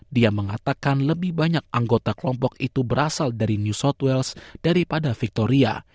dia mengatakan lebih banyak anggota kelompok itu berasal dari new south wales daripada victoria